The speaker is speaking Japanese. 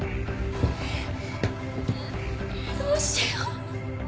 どうしよう。